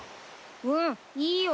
うんいいよ。